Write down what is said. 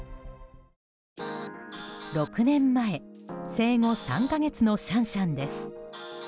６年前、生後３か月のシャンシャンです。